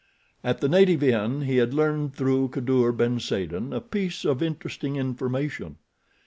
At the native inn he had learned through Kadour ben Saden a piece of interesting information.